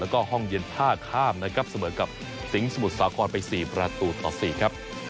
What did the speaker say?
แล้วก็ห้องเย็นท่าข้ามนะครับเสมอกับสิงห์สมุทรสาครไป๔ประตูต่อ๔ครับ